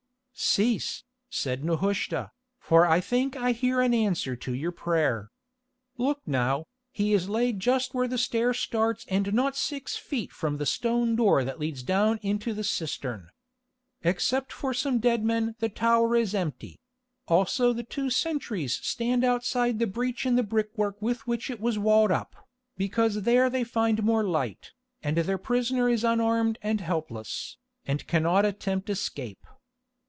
"Cease," said Nehushta, "for I think I hear an answer to your prayer. Look now, he is laid just where the stair starts and not six feet from the stone door that leads down into the cistern. Except for some dead men the tower is empty; also the two sentries stand outside the breach in the brickwork with which it was walled up, because there they find more light, and their prisoner is unarmed and helpless, and cannot attempt escape.